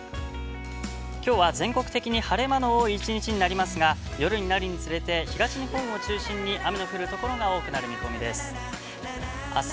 きょうは全国的に晴れ間の多い１日になりますが、夜になるにつれて、東日本を中心に雨の降る所が多くなる見込みです。